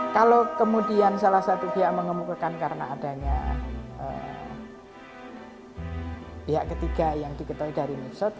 kalau kemudian salah satu pihak mengemukakan karena adanya pihak ketiga yang diketahui dari medsot